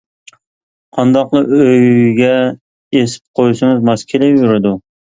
قانداقلا ئۆيگە ئېسىپ قويسىڭىز ماس كېلىۋېرىدۇ.